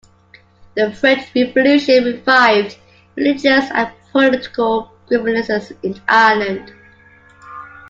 The French Revolution revived religious and political grievances in Ireland.